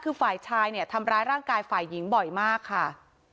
คือฝ่ายชายเนี่ยทำร้ายร่างกายฝ่ายหญิงบ่อยมากค่ะ